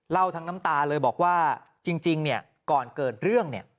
เล่าทั้งน้ำตาเลยบอกว่าจริงก่อนเกิดเรื่อง